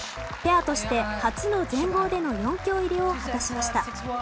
ペアとして初の全豪での４強入りを果たしました。